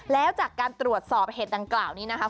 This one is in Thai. แล้วจากการตรวจสอบเหตุดังกล่าวนี้นะคะ